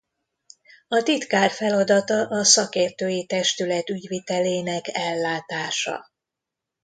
A titkár feladata a Szakértői Testület ügyvitelének ellátása.